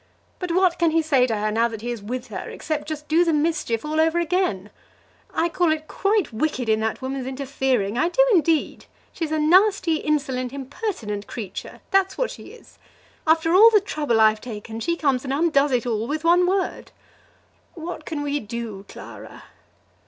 But what can he say to her now that he is with her, except just do the mischief all over again? I call it quite wicked in that woman's interfering. I do, indeed! She's a nasty, insolent, impertinent creature; that's what she is! After all the trouble I've taken, she comes and undoes it all with one word." "What can we do, Clara?"